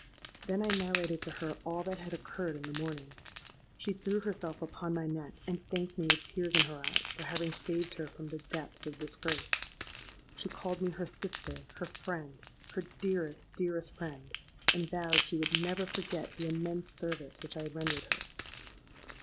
Then I narrated to her all that had occurred in the morning. She threw herself upon my neck, and thanked me with tears in her eyes for having saved her from the depths of disgrace. She called me her 'sister'—her 'friend'—her 'dearest, dearest friend;' and vowed she would never forget the immense service which I had rendered her.